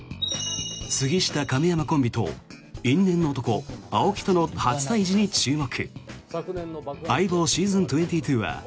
杉下・亀山コンビと因縁の男、青木との初対峙に注目！